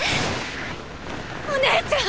お姉ちゃん！